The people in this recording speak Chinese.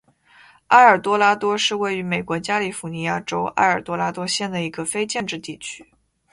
埃尔多拉多是位于美国加利福尼亚州埃尔多拉多县的一个非建制地区。